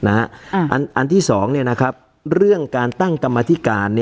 อันที่๒เรื่องการตั้งกรรมธิการ